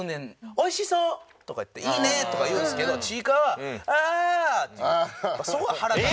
「美味しそう！」とか言って「いいね！」とか言うんですけどちいかわは「あ」って言う。